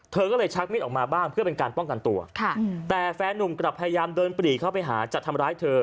เธอก็เลยชักมีดออกมาบ้างเพื่อเป็นการป้องกันตัวแต่แฟนนุ่มกลับพยายามเดินปรีเข้าไปหาจะทำร้ายเธอ